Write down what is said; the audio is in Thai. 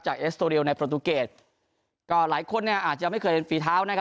เอสโตเรียลในประตูเกตก็หลายคนเนี่ยอาจจะไม่เคยเห็นฝีเท้านะครับ